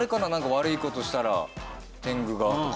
悪い事したら天狗がとか。